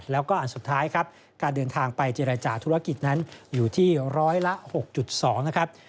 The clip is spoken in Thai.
แล้วก็อันสุดท้ายครับการเดินทางไปเจรจาธุรกิจนั้นอยู่ที่ร้อยละ๖๒นะครับ